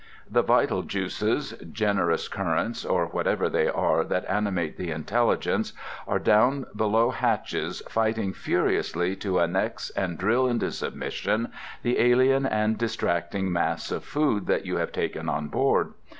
The vital juices, generous currents, or whatever they are that animate the intelligence, are down below hatches fighting furiously to annex and drill into submission the alien and distracting mass of food that you have taken on board.